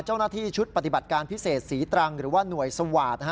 เจ้าหน้าที่ชุดปฏิบัติการพิเศษศรีตรังหรือว่าหน่วยสวาสตร์